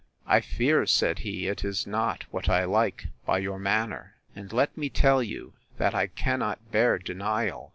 I fear, said he, it is not what I like, by your manner: and let me tell you, that I cannot bear denial.